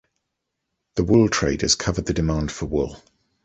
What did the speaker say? The wool traders covered the demand for wool.